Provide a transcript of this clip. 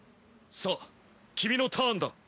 さぁ君のターンだ。